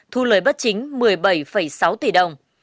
thu lời bất chính một mươi bảy sáu tỷ đồng